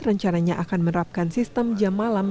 rencananya akan menerapkan sistem jam malam